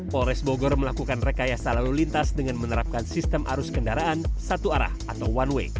polres bogor melakukan rekayasa lalu lintas dengan menerapkan sistem arus kendaraan satu arah atau one way